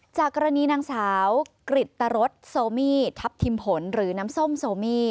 จากกรณีนางสาวกริตตรสโซมี่ทัพทิมผลหรือน้ำส้มโซมี่